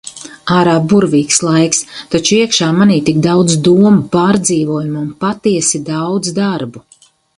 Ārā burvīgs laiks, taču iekšā manī tik daudz domu, pārdzīvojumu un patiesi daudz darbu.